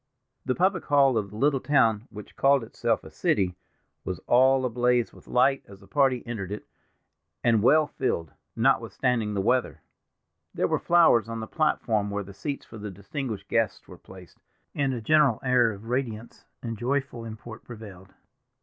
The public hall of the little town—which called itself a city—was all ablaze with light as the party entered it, and well filled, notwithstanding the weather. There were flowers on the platform where the seats for the distinguished guests were placed, and a general air of radiance and joyful import prevailed.